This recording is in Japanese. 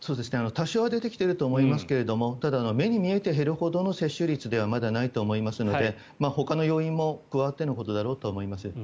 多少は出てきていると思いますがただ、目に見えて減るほどの接種率ではまだないと思いますのでほかの要因も加わってのことだろうと思います。